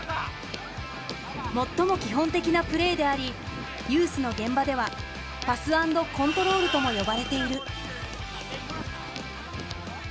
最も基本的なプレーでありユースの現場では「パス＆コントロール」とも呼ばれている。